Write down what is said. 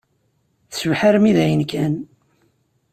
Tecbeḥ armi d ayen kan.